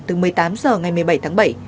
từ một mươi tám h ngày một mươi bảy tháng bảy